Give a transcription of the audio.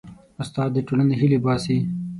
استاد د ټولنې هیلې باسي.